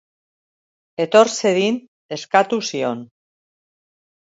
Etor zedin eskatu zion.